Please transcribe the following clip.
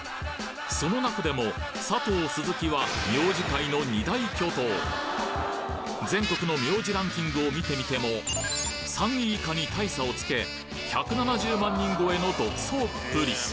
その中でも「佐藤」「鈴木」は全国の名字ランキングを見てみても３位以下に大差をつけ１７０万人超えの独走っぷり！